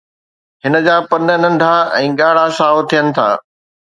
هن جا پن ننڍا ۽ ڳاڙها سائو ٿين ٿا